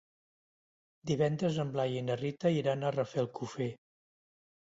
Divendres en Blai i na Rita iran a Rafelcofer.